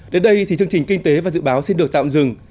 đến đây thì chương trình kinh tế và dự báo xin được tạm dừng